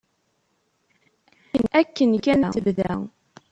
Akken kan tebda.